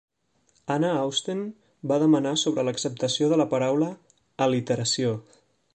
Anna Austen va demanar sobre l'acceptació de la paraula "al·literació".